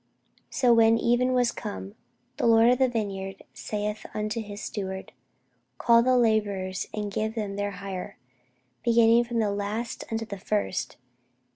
So when even was come, the lord of the vineyard saith unto his steward, Call the labourers, and give them their hire, beginning from the last unto the first.